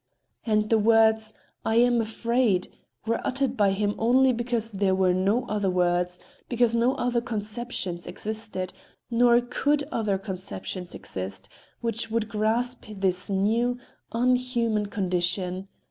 And the words "I am afraid" were uttered by him only because there were no other words, because no other conceptions existed, nor could other conceptions exist which would grasp this new, un human condition.